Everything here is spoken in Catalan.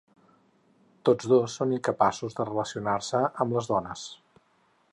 Tots dos són incapaços de relacionar-se amb les dones.